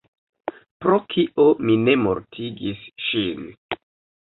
Pro kio mi ne mortigis ŝin?